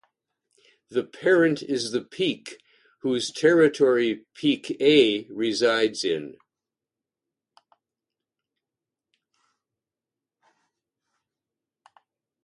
The parent is the peak whose territory peak A resides in.